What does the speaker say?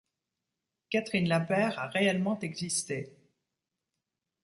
Catherine Lapeyre a réellement existé.